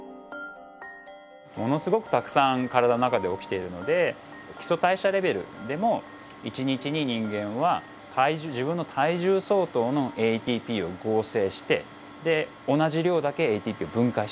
ものすごくたくさん体の中で起きているので基礎代謝レベルでも一日に人間は自分の体重相当のＡＴＰを合成してで同じ量だけＡＴＰを分解しています。